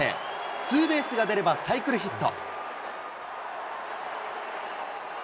ツーベースが出ればサイクルヒット。